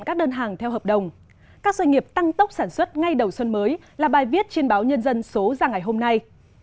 các doanh nghiệp tăng tốc sản xuất ngay đầu xuân mới là bài viết trên báo nhân dân số ra ngày hôm nay